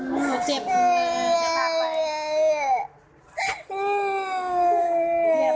หนูเจ็บจะพักไหล